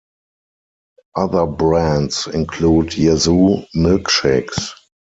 Other brands include Yazoo milkshakes.